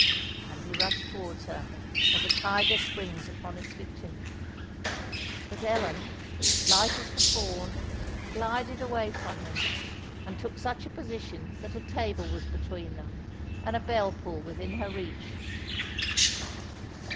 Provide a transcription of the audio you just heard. And he rushed towards her, as a tiger springs upon its victim. But Ellen, light as the fawn, glided away from him, and took such a position that a table was between them, and a bell pull within her reach.